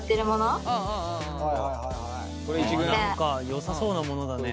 よさそうなものだね。